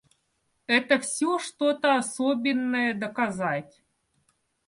Это всё что-то особенное доказать.